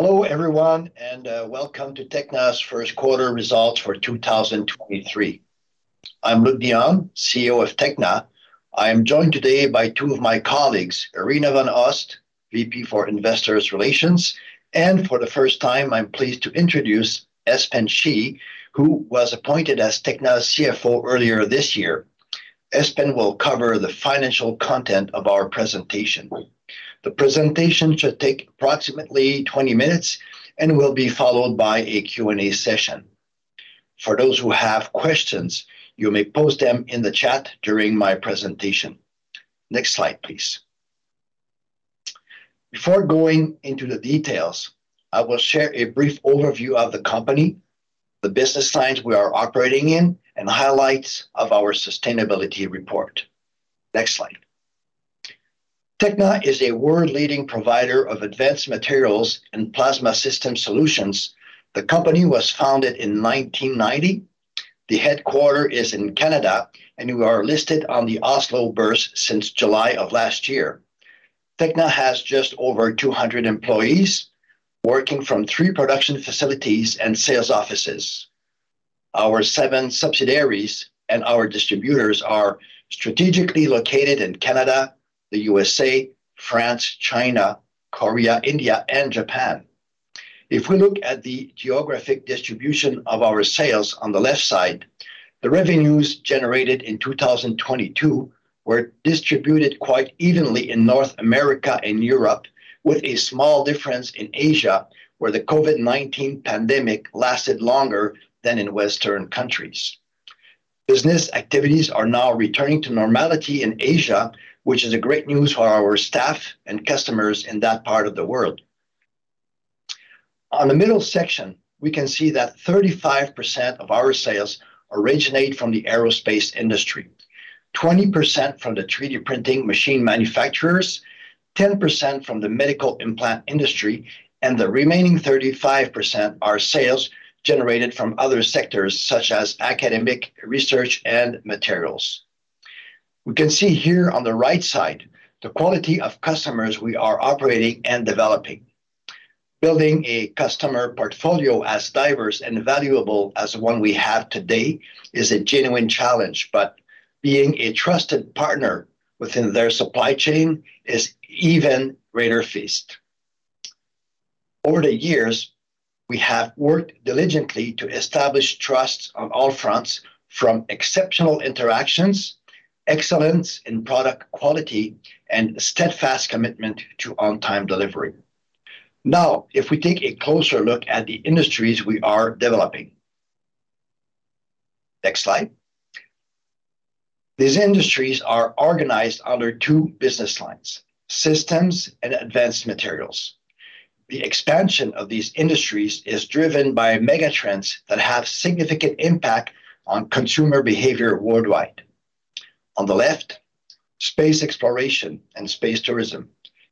Hello everyone, and Welcome to Tekna's first quarter results for 2023. I'm Luc Dionne, CEO of Tekna. I am joined today by two of my colleagues, Arina van Oost, VP for Investors Relations, and for the first time, I'm pleased to introduce Espen Schie, who was appointed as Tekna's CFO earlier this year. Espen will cover the financial content of our presentation. The presentation should take approximately 20 minutes and will be followed by a Q&A session. For those who have questions, you may pose them in the chat during my presentation. Next slide, please. Before going into the details, I will share a brief overview of the company, the business lines we are operating in, and highlights of our sustainability report. Next slide. Tekna is a world leading provider of advanced materials and plasma system solutions. The company was founded in 1990. The headquarter is in Canada. We are listed on the Oslo Børs since July of last year. Tekna has just over 200 employees working from three production facilities and sales offices. Our seven subsidiaries and our distributors are strategically located in Canada, the USA, France, China, Korea, India, and Japan. If we look at the geographic distribution of our sales on the left side, the revenues generated in 2022 were distributed quite evenly in North America and Europe, with a small difference in Asia, where the COVID-19 pandemic lasted longer than in Western countries. Business activities are now returning to normality in Asia, which is a great news for our staff and customers in that part of the world. On the middle section, we can see that 35% of our sales originate from the aerospace industry, 20% from the 3D printing machine manufacturers, 10% from the medical implant industry. The remaining 35% are sales generated from other sectors such as academic, research, and materials. We can see here on the right side the quality of customers we are operating and developing. Building a customer portfolio as diverse and valuable as the one we have today is a genuine challenge, but being a trusted partner within their supply chain is even greater feat. Over the years, we have worked diligently to establish trust on all fronts from exceptional interactions, excellence in product quality, and steadfast commitment to on-time delivery. If we take a closer look at the industries we are developing. Next slide. These industries are organized under two business lines, systems and advanced materials. The expansion of these industries is driven by mega trends that have significant impact on consumer behavior worldwide. On the left, space exploration and space tourism,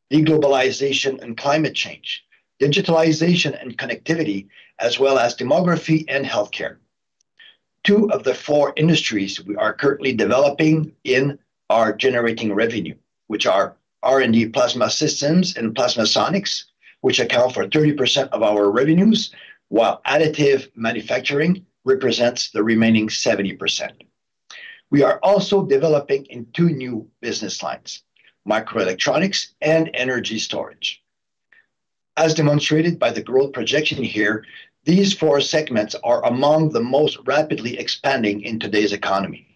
de-globalization and climate change, digitalization and connectivity, as well as demography and healthcare. Two of the four industries we are currently developing in are generating revenue, which are R&D plasma systems and PlasmaSonic, which account for 30% of our revenues, while additive manufacturing represents the remaining 70%. We are also developing in two new business lines, microelectronics and energy storage. As demonstrated by the growth projection here, these four segments are among the most rapidly expanding in today's economy.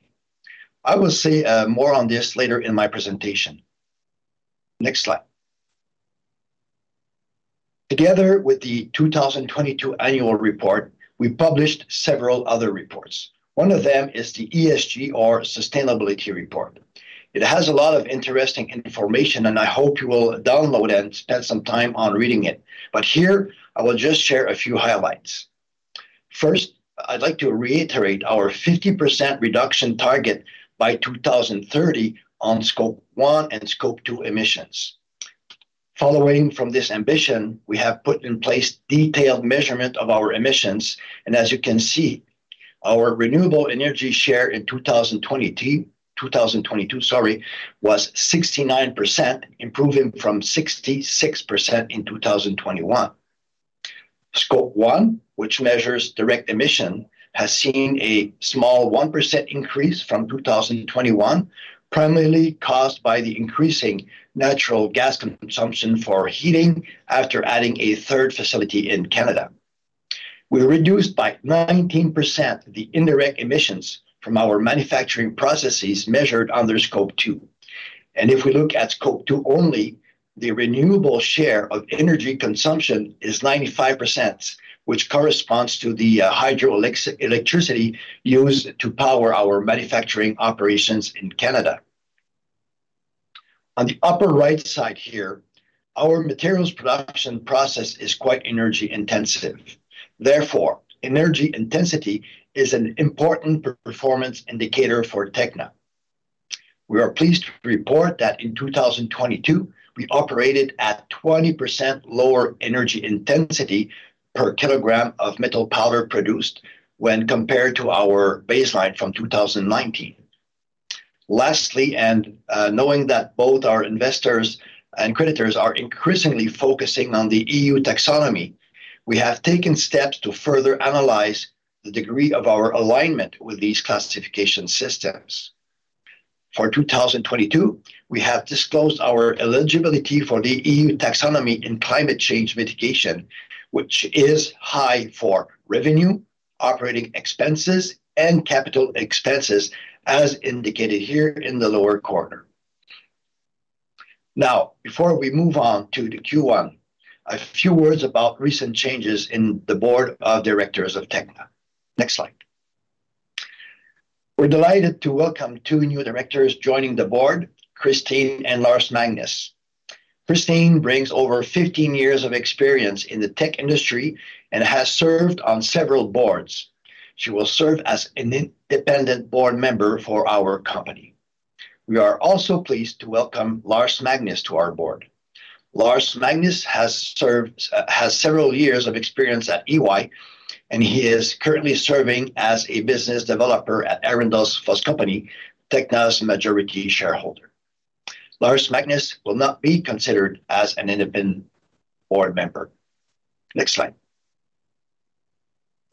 I will say more on this later in my presentation. Next slide. Together with the 2022 annual report, we published several other reports. One of them is the ESG or sustainability report. It has a lot of interesting information, and I hope you will download and spend some time on reading it. Here, I will just share a few highlights. First, I'd like to reiterate our 50% reduction target by 2030 on Scope One and Scope Two emissions. Following from this ambition, we have put in place detailed measurement of our emissions, and as you can see, our renewable energy share in 2022, sorry, was 69%, improving from 66% in 2021. Scope One, which measures direct emission, has seen a small 1% increase from 2021, primarily caused by the increasing natural gas consumption for heating after adding a third facility in Canada. We reduced by 19% the indirect emissions from our manufacturing processes measured under Scope Two. If we look at Scope Two only, the renewable share of energy consumption is 95%, which corresponds to the hydroelectricity used to power our manufacturing operations in Canada. On the upper right side here, our materials production process is quite energy-intensive. Therefore, energy intensity is an important performance indicator for Tekna. We are pleased to report that in 2022, we operated at 20% lower energy intensity per kilogram of metal powder produced when compared to our baseline from 2019. Lastly, knowing that both our investors and creditors are increasingly focusing on the EU taxonomy, we have taken steps to further analyze the degree of our alignment with these classification systems. For 2022, we have disclosed our eligibility for the EU taxonomy in climate change mitigation, which is high for revenue, operating expenses, and capital expenses, as indicated here in the lower quarter. Before we move on to the Q1, a few words about recent changes in the board of directors of Tekna. Next slide. We're delighted to welcome two new directors joining the board, Christine and Lars Magnus. Christine brings over 15 years of experience in the tech industry and has served on several boards. She will serve as an independent board member for our company. We are also pleased to welcome Lars Magnus to our board. Lars Magnus has several years of experience at EY, and he is currently serving as a business developer at Arendals Fossekompani, Tekna's majority shareholder. Lars Magnus will not be considered as an independent board member. Next slide.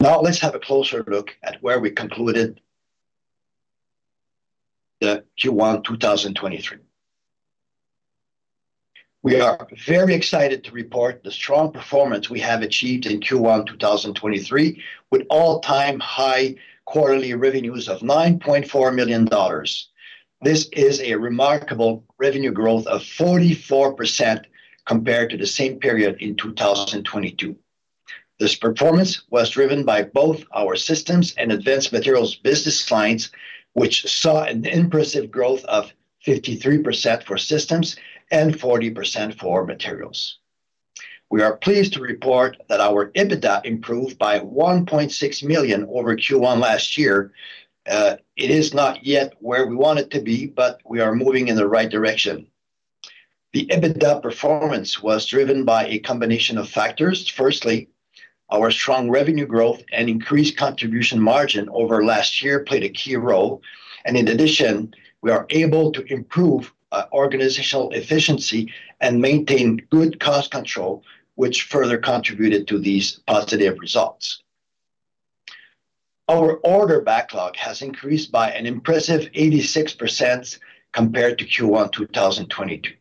Let's have a closer look at where we concluded the Q1 2023. We are very excited to report the strong performance we have achieved in Q1 2023, with all-time high quarterly revenues of $9.4 million. This is a remarkable revenue growth of 44% compared to the same period in 2022. This performance was driven by both our systems and advanced materials business clients, which saw an impressive growth of 53% for systems and 40% for materials. We are pleased to report that our EBITDA improved by $1.6 million over Q1 last year. It is not yet where we want it to be, but we are moving in the right direction. The EBITDA performance was driven by a combination of factors. Firstly, our strong revenue growth and increased contribution margin over last year played a key role. In addition, we are able to improve organizational efficiency and maintain good cost control, which further contributed to these positive results. Our order backlog has increased by an impressive 86% compared to Q1 2022.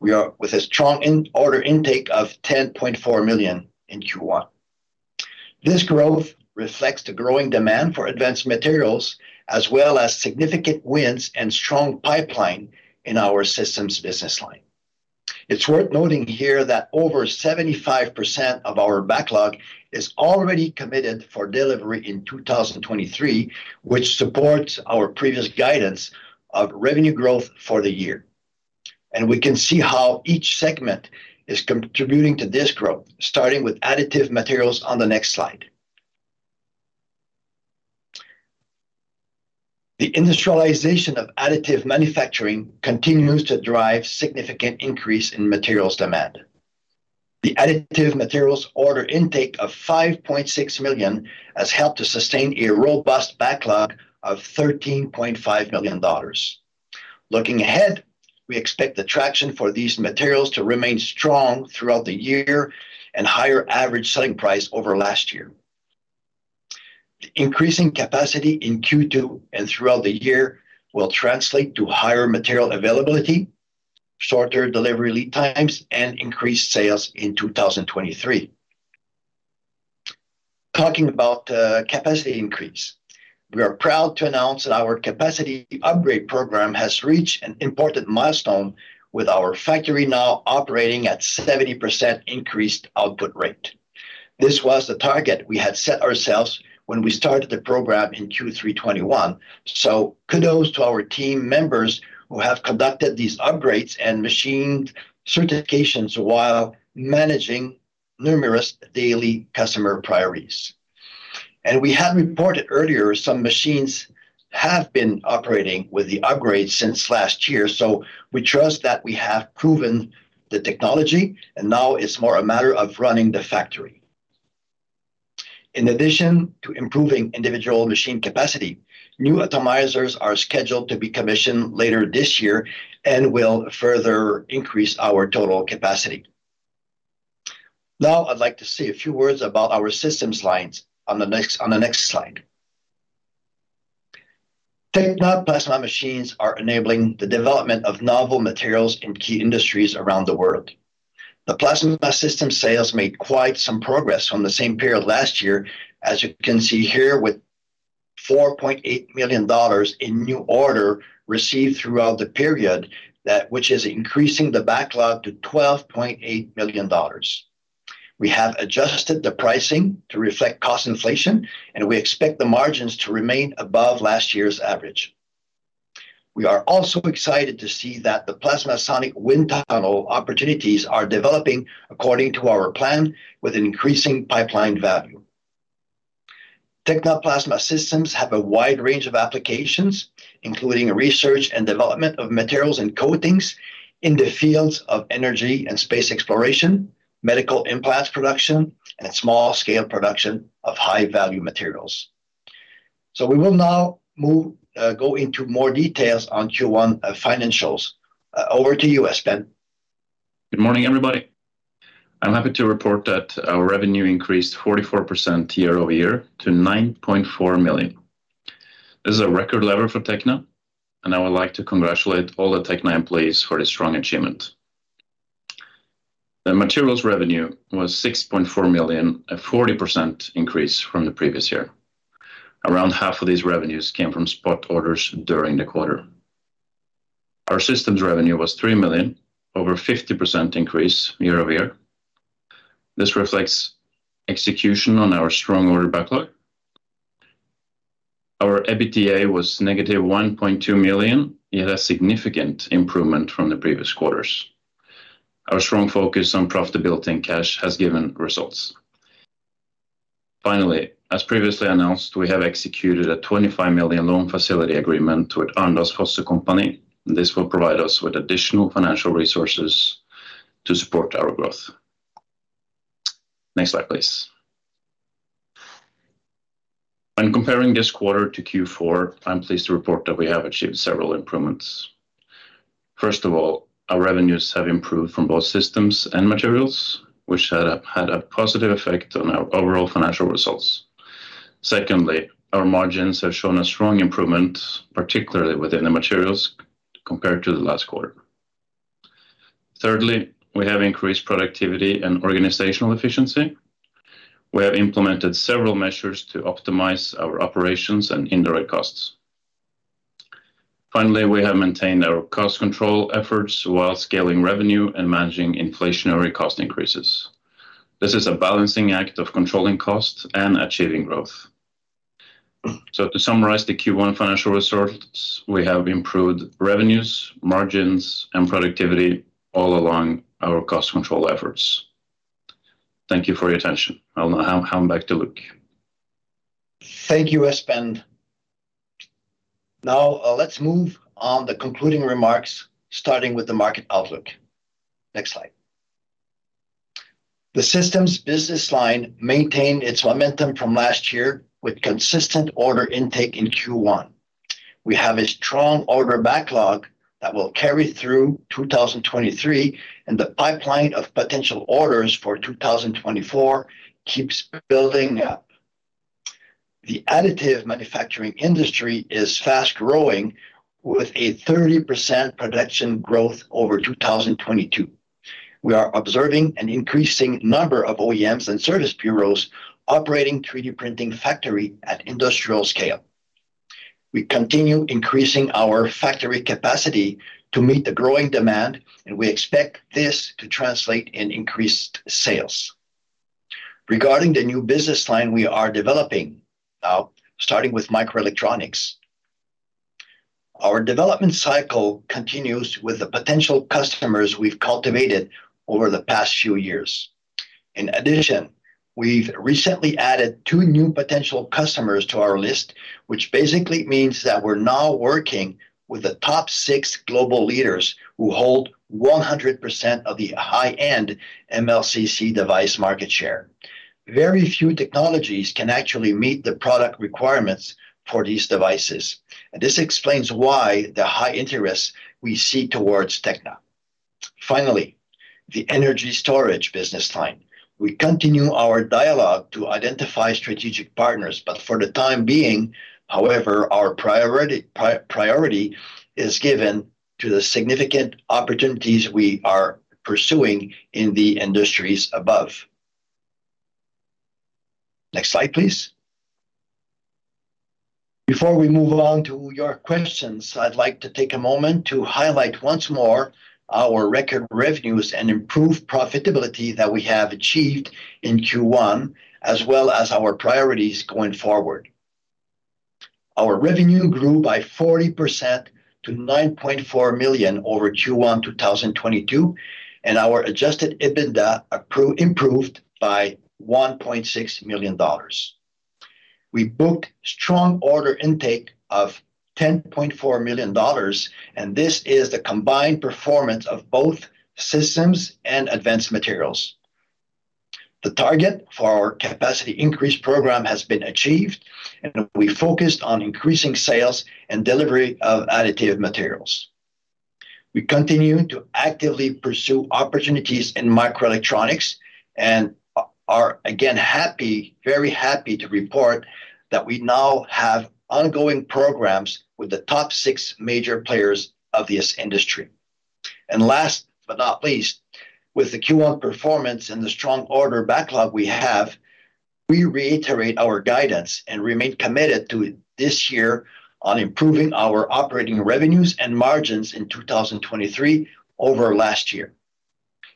We are with a strong in-order intake of 10.4 million in Q1. This growth reflects the growing demand for advanced materials as well as significant wins and strong pipeline in our systems business line. It's worth noting here that over 75% of our backlog is already committed for delivery in 2023, which supports our previous guidance of revenue growth for the year. We can see how each segment is contributing to this growth, starting with additive materials on the next slide. The industrialization of additive manufacturing continues to drive significant increase in materials demand. The additive materials order intake of $5.6 million has helped to sustain a robust backlog of $13.5 million. Looking ahead, we expect the traction for these materials to remain strong throughout the year and higher average selling price over last year. Increasing capacity in Q2 and throughout the year will translate to higher material availability, shorter delivery lead times, and increased sales in 2023. Talking about capacity increase. We are proud to announce that our capacity upgrade program has reached an important milestone with our factory now operating at 70% increased output rate. This was the target we had set ourselves when we started the program in Q3 2021. Kudos to our team members who have conducted these upgrades and machined certifications while managing numerous daily customer priorities. We have reported earlier, some machines have been operating with the upgrades since last year, so we trust that we have proven the technology, and now it's more a matter of running the factory. In addition to improving individual machine capacity, new atomizers are scheduled to be commissioned later this year and will further increase our total capacity. I'd like to say a few words about our systems lines on the next slide. Tekna plasma machines are enabling the development of novel materials in key industries around the world. The Plasma System sales made quite some progress from the same period last year, as you can see here, with $4.8 million in new order received throughout the period that which is increasing the backlog to $12.8 million. We have adjusted the pricing to reflect cost inflation, and we expect the margins to remain above last year's average. We are also excited to see that the PlasmaSonic wind tunnel opportunities are developing according to our plan with an increasing pipeline value. Tekna Plasma systems have a wide range of applications, including research and development of materials and coatings in the fields of energy and space exploration, medical implants production, and small scale production of high-value materials. We will now move, go into more details on Q1 financials. Over to you, Espen Schie. Good morning, everybody. I'm happy to report that our revenue increased 44% year-over-year to $9.4 million. This is a record level for Tekna, and I would like to congratulate all the Tekna employees for this strong achievement. The materials revenue was $6.4 million, a 40% increase from the previous year. Around half of these revenues came from spot orders during the quarter. Our systems revenue was $3 million, over 50% increase year-over-year. This reflects execution on our strong order backlog. Our EBITDA was negative $1.2 million. It had a significant improvement from the previous quarters. Our strong focus on profitability and cash has given results. Finally, as previously announced, we have executed a $25 million loan facility agreement with Arendals Fossekompani. This will provide us with additional financial resources to support our growth. Next slide, please. When comparing this quarter to Q4, I'm pleased to report that we have achieved several improvements. First of all, our revenues have improved from both systems and materials, which had a positive effect on our overall financial results. Secondly, our margins have shown a strong improvement, particularly within the materials, compared to the last quarter. Thirdly, we have increased productivity and organizational efficiency. We have implemented several measures to optimize our operations and indirect costs. Finally, we have maintained our cost control efforts while scaling revenue and managing inflationary cost increases. This is a balancing act of controlling costs and achieving growth. To summarize the Q1 financial results, we have improved revenues, margins, and productivity all along our cost control efforts. Thank you for your attention. I'll now hand back to Luc. Thank you, Espen. Now, let's move on the concluding remarks, starting with the market outlook. Next slide. The systems business line maintained its momentum from last year with consistent order intake in Q1. We have a strong order backlog that will carry through 2023, and the pipeline of potential orders for 2024 keeps building up. The additive manufacturing industry is fast growing with a 30% production growth over 2022. We are observing an increasing number of OEMs and service bureaus operating 3D printing factory at industrial scale. We continue increasing our factory capacity to meet the growing demand, and we expect this to translate in increased sales. Regarding the new business line we are developing, starting with microelectronics. Our development cycle continues with the potential customers we've cultivated over the past few years. In addition, we've recently added two new potential customers to our list, which basically means that we're now working with the top six global leaders who hold 100% of the high-end MLCC device market share. Very few technologies can actually meet the product requirements for these devices. This explains why the high interest we see towards Tekna. The energy storage business line. We continue our dialogue to identify strategic partners, for the time being, however, our priority is given to the significant opportunities we are pursuing in the industries above. Next slide, please. Before we move along to your questions, I'd like to take a moment to highlight once more our record revenues and improved profitability that we have achieved in Q1, as well as our priorities going forward. Our revenue grew by 40% to $9.4 million over Q1 2022, and our adjusted EBITDA improved by $1.6 million. We booked strong order intake of $10.4 million, and this is the combined performance of both systems and advanced materials. The target for our capacity increase program has been achieved, and we focused on increasing sales and delivery of additive materials. We continue to actively pursue opportunities in microelectronics and are very happy to report that we now have ongoing programs with the top six major players of this industry. Last but not least, with the Q1 performance and the strong order backlog we have, we reiterate our guidance and remain committed to this year on improving our operating revenues and margins in 2023 over last year.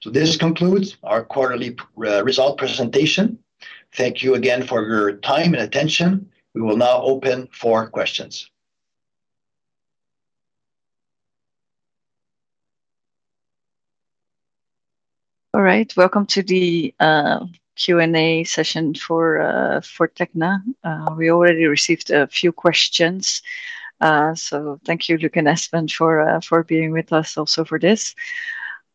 This concludes our quarterly result presentation. Thank you again for your time and attention. We will now open for questions. All right. Welcome to the Q&A session for Tekna. We already received a few questions, so thank you Luc and Espen for being with us also for this.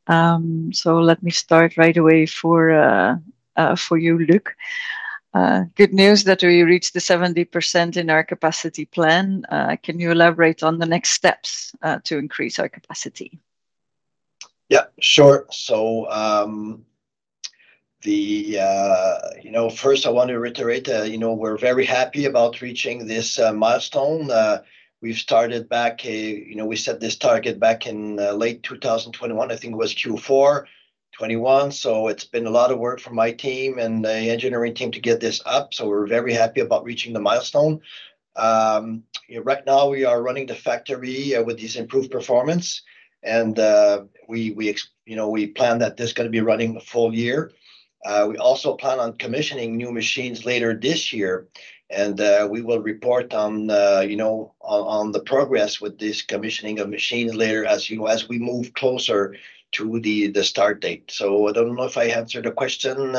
Let me start right away for you Luc. Good news that we reached the 70% in our capacity plan. Can you elaborate on the next steps to increase our capacity? Yeah, sure. You know, first I want to reiterate, you know, we're very happy about reaching this milestone. We've started back, you know, we set this target back in late 2021, I think it was Q4 2021. It's been a lot of work for my team and the engineering team to get this up, so we're very happy about reaching the milestone. You know, right now we are running the factory with this improved performance and we, you know, we plan that this is gonna be running the full year. We also plan on commissioning new machines later this year, and we will report on, you know, on the progress with this commissioning of machine later as we move closer to the start date. I don't know if I answered the question,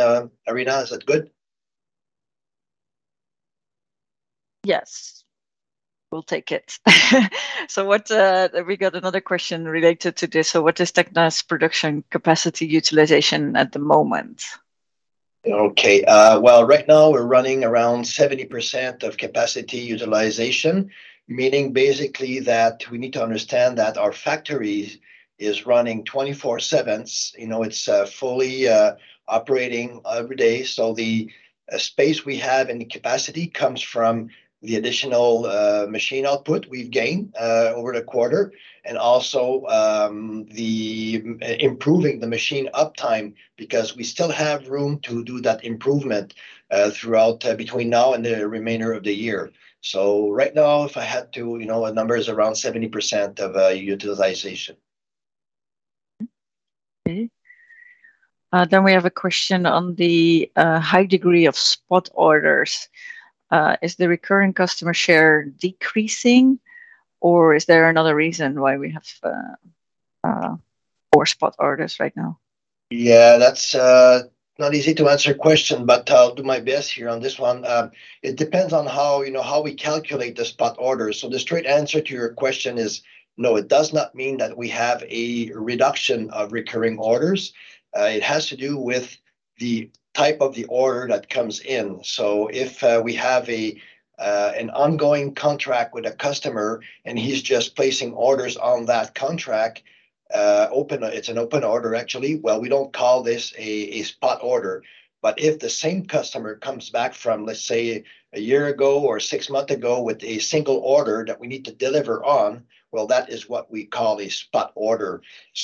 Arina. Is that good? Yes. We'll take it. We got another question related to this. What is Tekna's production capacity utilization at the moment? Okay. Well, right now we're running around 70% of capacity utilization, meaning basically that we need to understand that our factory is running 24/7's. You know, it's fully operating every day. The space we have and the capacity comes from the additional machine output we've gained over the quarter, and also improving the machine uptime because we still have room to do that improvement throughout between now and the remainder of the year. Right now, if I had to, you know, a number is around 70% of utilization. Okay. We have a question on the high degree of spot orders. Is the recurring customer share decreasing, or is there another reason why we have more spot orders right now? Yeah. That's not easy to answer question, but I'll do my best here on this one. It depends on how, you know, how we calculate the spot orders. The straight answer to your question is no, it does not mean that we have a reduction of recurring orders. It has to do with the type of the order that comes in. If we have a an ongoing contract with a customer and he's just placing orders on that contract, It's an open order actually, well, we don't call this a spot order. If the same customer comes back from, let's say, a year ago or 6 month ago with a single order that we need to deliver on, well, that is what we call a spot order.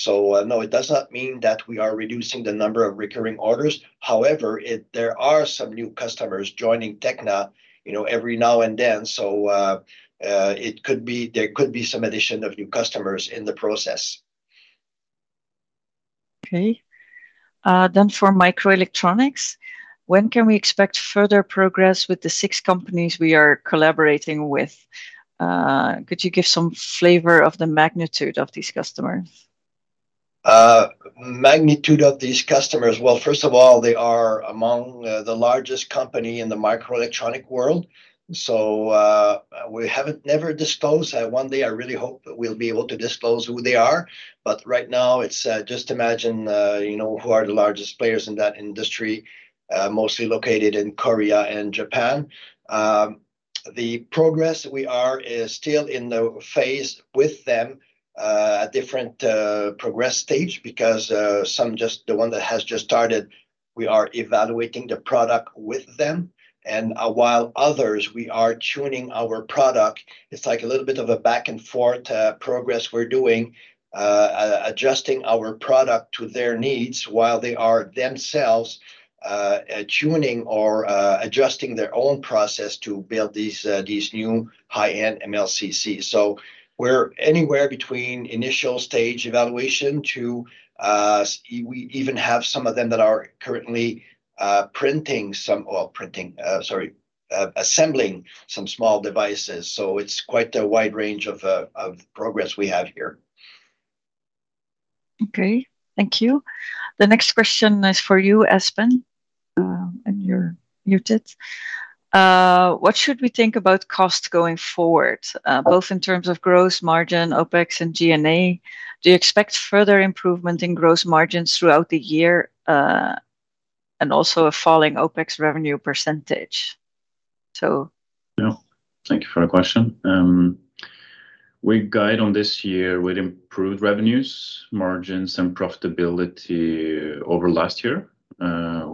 No, it does not mean that we are reducing the number of recurring orders. However, there are some new customers joining Tekna, you know, every now and then, there could be some addition of new customers in the process. Okay. For microelectronics, when can we expect further progress with the six companies we are collaborating with? Could you give some flavor of the magnitude of these customers? Magnitude of these customers. Well, first of all, they are among the largest company in the microelectronic world. So we haven't never disclosed. One day I really hope that we'll be able to disclose who they are, but right now it's just imagine, you know, who are the largest players in that industry, mostly located in Korea and Japan. The progress, we are still in the phase with them, at different progress stage because some just the one that has just started, we are evaluating the product with them. While others, we are tuning our product. It's like a little bit of a back and forth, progress we're doing, adjusting our product to their needs while they are themselves, tuning or, adjusting their own process to build these new high-end MLCC. We're anywhere between initial stage evaluation to we even have some of them that are currently assembling some small devices. It's quite a wide range of progress we have here. Okay. Thank you. The next question is for you, Espen, and you're muted. What should we think about cost going forward, both in terms of gross margin, OpEx and G&A? Do you expect further improvement in gross margins throughout the year, and also a falling OpEx revenue percentage? Yeah. Thank you for your question. We guide on this year with improved revenues, margins and profitability over last year.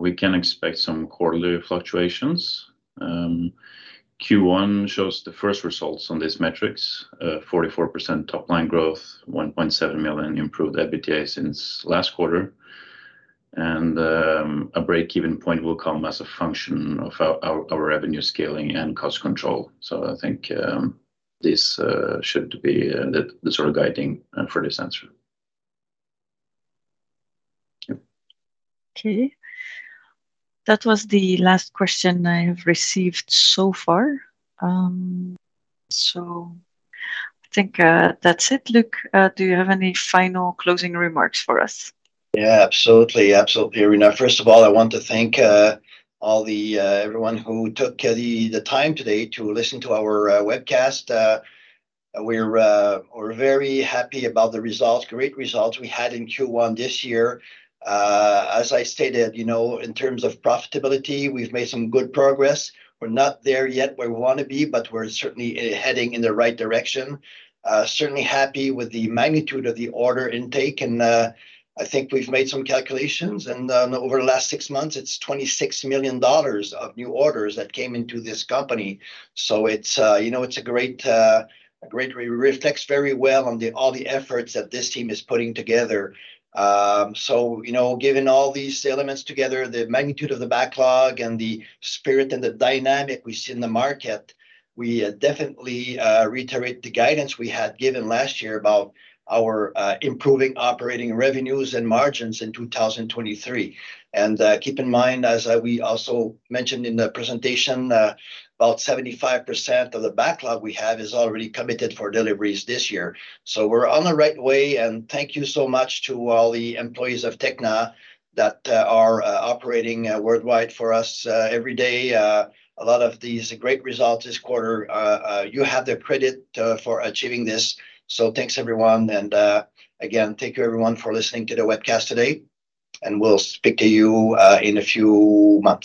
We can expect some quarterly fluctuations. Q1 shows the first results on these metrics, 44% top line growth, $1.7 million improved EBITDA since last quarter. A break-even point will come as a function of our revenue scaling and cost control. I think this should be the sort of guiding for this answer. Yeah. Okay. That was the last question I have received so far. I think that's it. Luc, do you have any final closing remarks for us? Absolutely. Absolutely, Arina. First of all, I want to thank all the everyone who took the time today to listen to our webcast. We're very happy about the results, great results we had in Q1 this year. As I stated, you know, in terms of profitability, we've made some good progress. We're not there yet where we wanna be, but we're certainly heading in the right direction. Certainly happy with the magnitude of the order intake and I think we've made some calculations, and over the last six months, it's $26 million of new orders that came into this company. It's, you know, it's a great. It reflects very well on all the efforts that this team is putting together. You know, given all these elements together, the magnitude of the backlog and the spirit and the dynamic we see in the market, we definitely reiterate the guidance we had given last year about our improving operating revenues and margins in 2023. Keep in mind, as we also mentioned in the presentation, about 75% of the backlog we have is already committed for deliveries this year. We're on the right way, thank you so much to all the employees of Tekna that are operating worldwide for us every day. A lot of these great results this quarter, you have the credit for achieving this. Thanks, everyone. Again, thank you everyone for listening to the webcast today, and we'll speak to you in a few months.